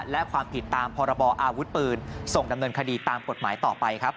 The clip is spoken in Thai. และความผิดตามพรบออาวุธปืนส่งดำเนินคดีตามกฎหมายต่อไปครับ